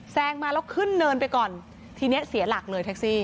มาแล้วขึ้นเนินไปก่อนทีนี้เสียหลักเลยแท็กซี่